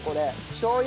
しょう油。